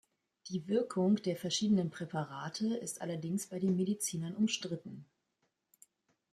Die Wirkung der verschiedenen Präparate ist allerdings bei den Medizinern umstritten.